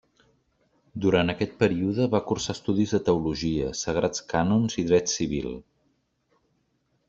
Durant aquest període, va cursar estudis de teologia, sagrats cànons i dret civil.